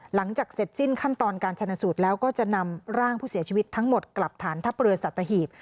หลังจากเสร็จสิ้นขั้นตอนการชนะสูตรแล้วก็จะนำร่างผู้เสียชีวิตทั้งหมดกลับฐานทัพเรือสัตหีบ